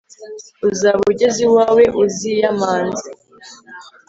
uzaba ugeze iwawe uziyamanze